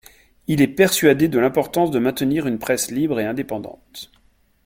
Il est persuadé de l’importance de maintenir une presse libre et indépendante.